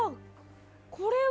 これは？